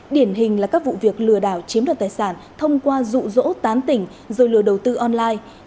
điển hình là các vụ việc lừa đảo chiếm đoạt tài sản thông qua rụ rỗ tán tỉnh rồi lừa đầu tư online